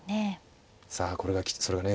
さあそれがね